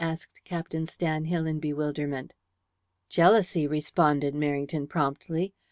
asked Captain Stanhill in bewilderment. "Jealousy," responded Merrington promptly.